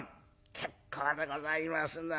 結構でございますな。